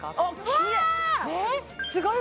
きれい！